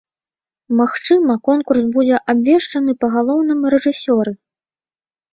Магчыма, конкурс будзе абвешчаны па галоўным рэжысёры.